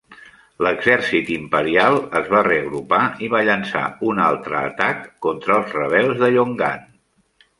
L'Exèrcit Imperial es va reagrupar i va llançar un altre atac contra els rebels de Yongan.